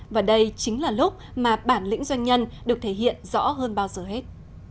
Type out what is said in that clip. và đây chính là lúc mà bản lĩnh doanh nhân được thể hiện rõ hơn bao giờ hết